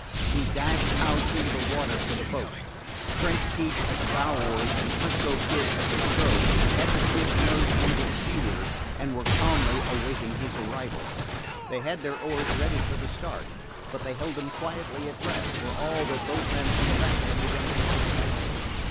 He dashed out into the water for the boat. French Pete at the bow oars and 'Frisco Kid at the stroke had the skiff's nose pointed seaward and were calmly awaiting his arrival. They had their oars ready for the start, but they held them quietly at rest, for all that both men on the bank had begun to fire at them.